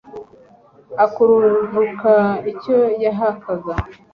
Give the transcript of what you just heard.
akururuka icyo yahakaga